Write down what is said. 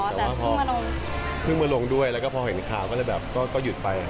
แต่พอขึ้นมาลงด้วยแล้วพอเห็นข่าวก็หยุดไป